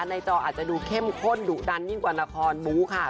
จออาจจะดูเข้มข้นดุดันยิ่งกว่าละครบู๊ค่ะ